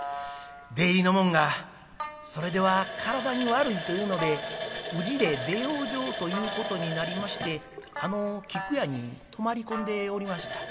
出入りの者がそれでは体に悪いというので宇治で出養生ということになりましてあの菊屋に泊まり込んでおりました。